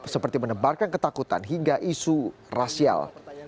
seperti menebarkan ketakutan hingga isu rasial